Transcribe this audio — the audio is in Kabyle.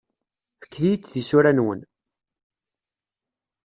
Fket-iyi-d tisura-nwen.